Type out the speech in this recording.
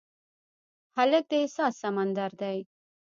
هلک د احساس سمندر دی.